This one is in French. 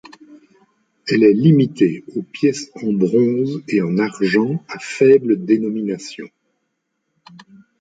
Elle est limitée aux pièces en bronze et en argent à faible dénomination.